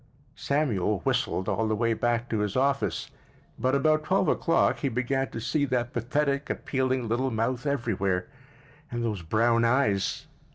Samuel whistled all the way back to his office, but about twelve o'clock he began to see that pathetic, appealing little mouth everywhere—and those brown eyes.